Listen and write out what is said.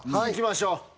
いきましょう。